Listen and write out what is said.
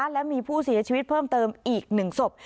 และมีผู้เสียชีวิตเพิ่มเติมอีก๑ศพ